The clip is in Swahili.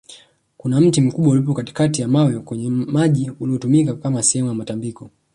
kuna mti mkubwa uliopo katikati ya mawe kwenye maji uliotumika Kama sehemu ya matambiko